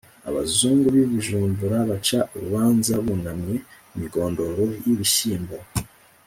Abazungu b'i Bujumbura baca urubanza bunamye-Imigondoro y'ibishyimbo.